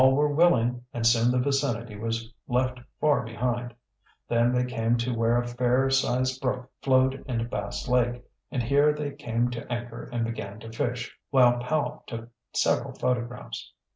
All were willing, and soon the vicinity was left far behind. Then they came to where a fair sized brook flowed into Bass Lake, and here they came to anchor and began to fish, while Powell took several photographs.